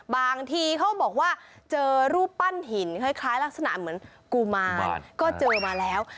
บางทีเขาบอกว่าเจอรูปปั้นหินคล้ายลักษณะเหมือนกุมารก็เจอมาแล้ว